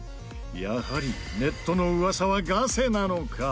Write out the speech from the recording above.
やはりネットの噂はガセなのか？